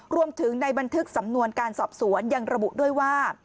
รวมถึงในบันทึกสำนวนการสอบสวนยังระบุด้วยว่า